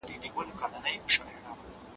پولیس باید په خپله دنده کې رښتینی وي.